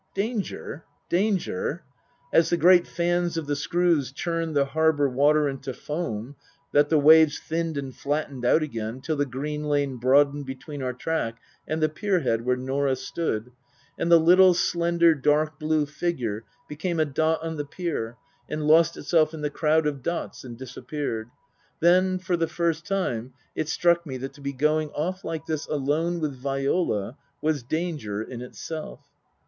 Danger ? Danger ? As the great fans of the screws churned the harbour water into foam that the waves thinned and flattened out again till the green lane broadened between our track and the pier head where Norah stood, and the little, slender, dark blue figure became a dot on the pier and lost itself in the crowd of dots and disappeared, then, for the first time, it struck me that to be going off like this, alone, with Viola, was danger in itself.